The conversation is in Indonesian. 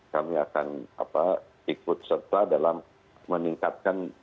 kami akan ikut serta dalam meningkatkan